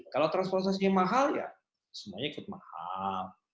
kalau transportasinya mahal ya semuanya ikut mahal